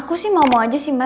aku sih mau mau aja sih mbak